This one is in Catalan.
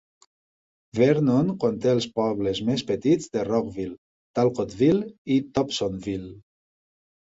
Vernon conté els pobles més petits de Rockville, Talcottville i Dobsonville.